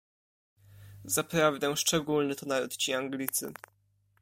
"Zaprawdę, szczególny to naród ci Anglicy."